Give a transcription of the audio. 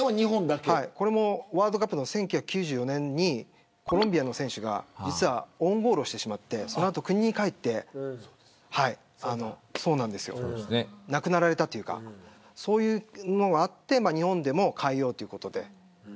これも１９９４年のワールドカップでコロンビアの選手がオウンゴールをしてしまってその後、国に帰って亡くなられたというかそういうのがあって日本でも変えようということで。